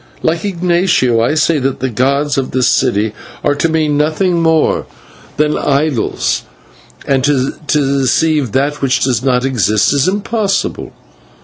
Like Ignatio, I say that the gods of this city are to me nothing more than idols, and to deceive that which does not exist is impossible.